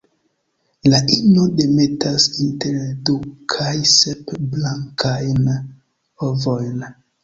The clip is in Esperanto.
La ino demetas inter du kaj sep blankajn ovojn.